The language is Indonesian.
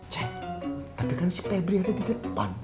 cek tapi kan si pebri ada di depan